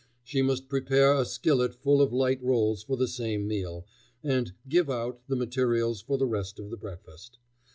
She must prepare a skillet full of light rolls for the same meal, and "give out" the materials for the rest of the breakfast.